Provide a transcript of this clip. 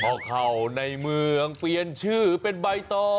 ก็เข้าในเมืองเปลี่ยนชื่อเป็นใบต่อ